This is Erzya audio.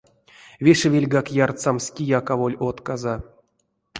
Вешевельгак ярсамс, кияк аволь отказа.